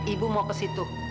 ibu mau ke situ